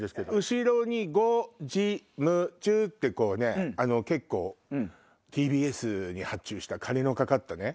後ろに「５時夢中」って結構ＴＢＳに発注した金のかかったね。